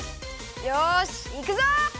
よしいくぞ！